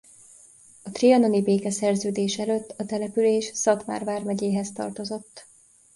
A trianoni békeszerződés előtt a település Szatmár vármegyéhez tartozott.